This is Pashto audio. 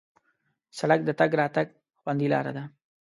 سړک د تګ راتګ خوندي لاره ده.